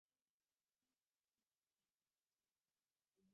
তিনি "ন্যায়পরায়ণ" নামে পরিচিত হয়েছিলেন।